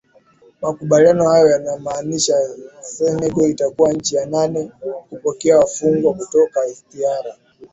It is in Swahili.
makubaliano hayo yanamaanisha senegal itakuwa nchi ya nane kupokea wafungwa kutoka ict r